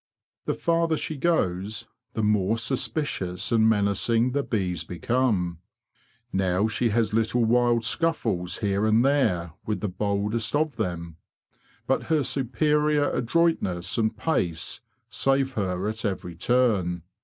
The farther she goes, the more suspicious and menacing the bees become. Now she has wild little scuffles here and there with the boldest of them, but her superior adroitness and pace save her at every turn.